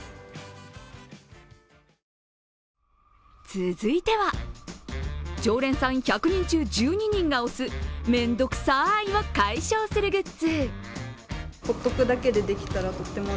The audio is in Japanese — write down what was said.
続いては、常連さん１００人１２人が推すめんどくさいを解消するグッズ。